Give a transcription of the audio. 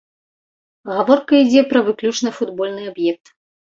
Гаворка ідзе пра выключна футбольны аб'ект.